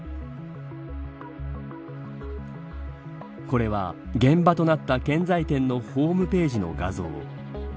これは、現場となった建材店のホームページの画像。